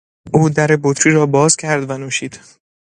او در بطری را باز کرد و نوشید.